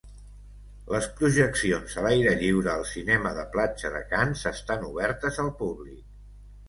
Les projeccions a l'aire lliure al cinema de platja de Canes estan obertes al públic.